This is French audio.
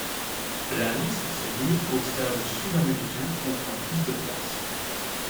La liste se limite aux stades sud-américains contenant plus de places.